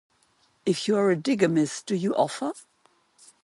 If you are a digamist, do you offer?